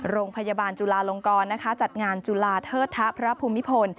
โรงพยาบาลจุลาลงกรจัดงานจุฬาเทิดทะพระภูมิพล